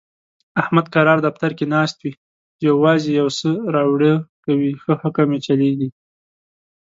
احمد کرار دفتر کې ناست وي، یووازې یوسه راوړه کوي، ښه حکم یې چلېږي.